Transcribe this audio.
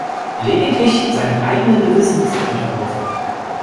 Lediglich seinem eigenen Gewissen ist er unterworfen.